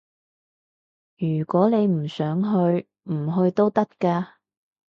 如果你唔想去，唔去都得㗎